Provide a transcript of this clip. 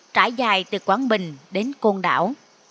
trải dài từ quảng bình đến côn đảo